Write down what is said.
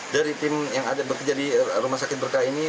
dari tim yang ada berkejadian di rsud berkah ini